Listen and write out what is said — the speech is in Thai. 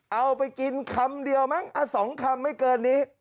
เอาไปกินคำเดียวมั้ง๒คำไม่เกินนี้